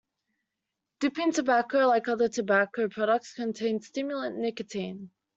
Dipping tobacco, like other tobacco products, contains the stimulant nicotine.